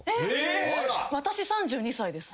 私３２歳です。